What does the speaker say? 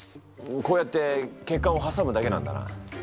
こうやって血管を挟むだけなんだな。